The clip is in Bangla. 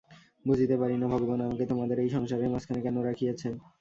বুঝিতে পারি না, ভগবান আমাকে তোমাদের এই সংসারের মাঝখানে কেন রাখিয়াছেন।